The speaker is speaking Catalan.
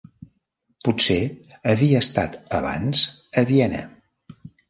Potser havia estat abans a Viena.